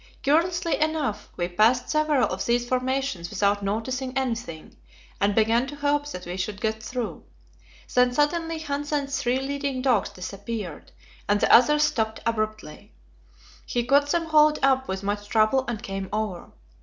Curiously enough, we passed several of these formations without noticing anything, and began to hope that we should get through. Then suddenly Hanssen's three leading dogs disappeared, and the others stopped abruptly. He got them hauled up without much trouble and came over.